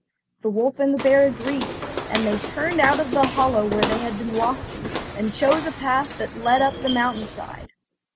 The wolf and the bear agreed, and they turned out of the hollow where they had been walking, and chose a path that led up the mountain side.